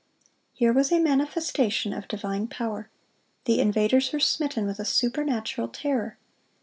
Here was a manifestation of divine power. The invaders were smitten with a supernatural terror.